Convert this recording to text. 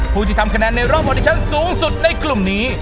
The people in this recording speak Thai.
ผู้ที่ทำคะแนนในรอบออดิชั่นสูงสุดในกลุ่มนี้